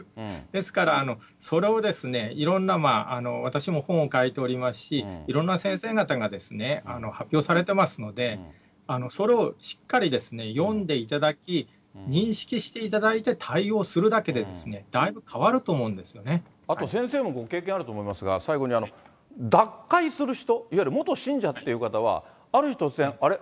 ですから、それをいろんな私も本を書いておりますし、いろんな先生方が発表されてますので、それをしっかり読んでいただき、認識していただいて、対応するだけで、あと先生もご経験あると思いますが、最後に脱会する人、いわゆる元信者っていう方は、ある日突然、あれ？